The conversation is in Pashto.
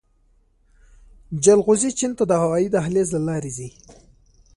جلغوزي چین ته د هوايي دهلیز له لارې ځي